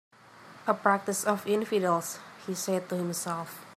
"A practice of infidels," he said to himself.